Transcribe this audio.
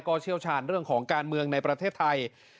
เชี่ยวชาญเรื่องของการเมืองในประเทศไทย